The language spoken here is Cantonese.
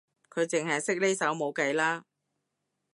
佢淨係識呢首冇計啦